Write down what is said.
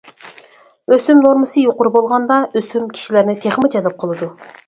ئۆسۈم نورمىسى يۇقىرى بولغاندا ئۆسۈم كىشىلەرنى تېخىمۇ جەلپ قىلىدۇ.